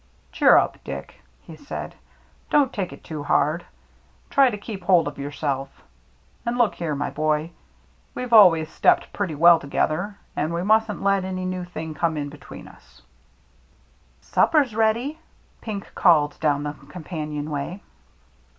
"Cheer up, Dick," he said. "Don't take it too hard. Try to keep hold of yourself. And look here, my boy, we've always stepped pretty well together, and we mustn't let any new thing come in between us —"" Supper's ready !" Pink called down the companionway.